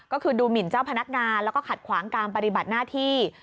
ก็คือดูหมินเจ้าพนักงานแล้วก็ขัดขวางการปฏิบัติหน้าที่